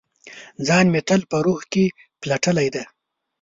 ځان مې تل په روح کې پلټلي دی